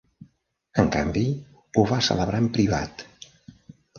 En canvi ho va celebrar en privat.